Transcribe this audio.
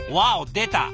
出た。